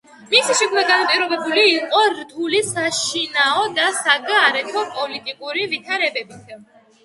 მისი შექმნა განპირობებული იყო რთული საშინაო და საგარეო პოლიტიკური ვითარებით.